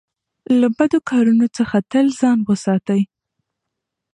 له بدو کارونو څخه تل ځان وساتئ.